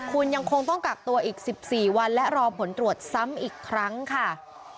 คุณยังคงต้องกักตัวอีก๑๔วันและรอผลตรวจซ้ำอีกครั้งค่ะ